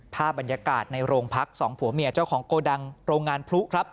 ภาพบรรยากาศในโรงพักสองผัวเมียเจ้าของโกดังโรงงานพลุครับ